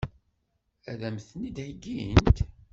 Ad m-ten-id-heggint?